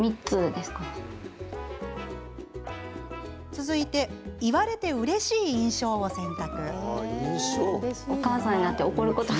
続いて言われてうれしい印象を選択。